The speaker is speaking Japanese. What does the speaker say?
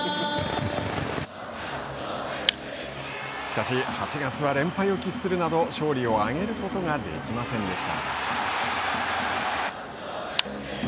しかし、８月は連敗を喫するなど勝利を挙げることができませんでした。